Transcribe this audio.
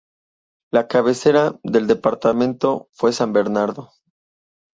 La cabecera del departamento fue San Bernardo.